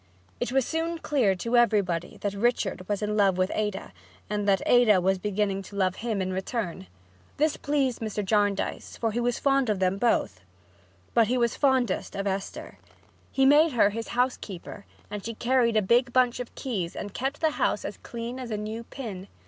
It was soon clear to everybody that Richard was in love with Ada and that Ada was beginning to love him in return. This pleased Mr. Jarndyce, for he was fond of both. But he was fondest of Esther. He made her his housekeeper and she carried a big bunch of keys and kept the house as clean as a new pin.